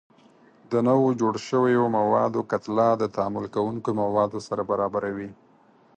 د نوو جوړ شویو موادو کتله د تعامل کوونکو موادو سره برابره وي.